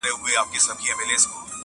یو عرب وو په صحرا کي را روان وو٫